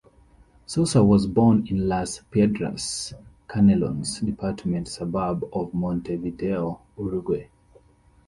Sosa was born in Las Piedras, a Canelones Department suburb of Montevideo, Uruguay.